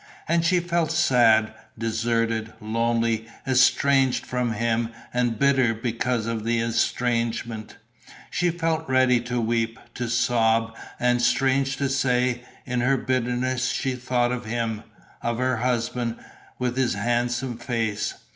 And she felt sad, deserted, lonely, estranged from him and bitter because of the estrangement; she felt ready to weep, to sob; and, strange to say, in her bitterness she thought of him, of her husband, with his handsome face.